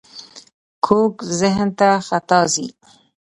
کوږ ذهن تل خطا ځي